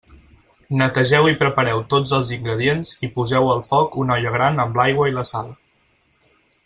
Netegeu i prepareu tots els ingredients i poseu al foc una olla gran amb l'aigua i la sal.